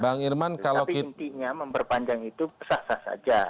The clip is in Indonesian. tapi intinya memperpanjang itu sah sah saja